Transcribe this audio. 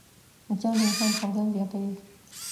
مچان د انسان خفګان زیاتوي